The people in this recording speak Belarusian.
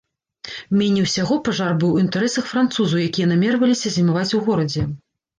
Меней усяго пажар быў у інтарэсах французаў, якія намерваліся зімаваць у горадзе.